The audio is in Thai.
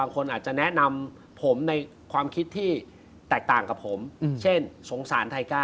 กลับมาดีกันเถอะ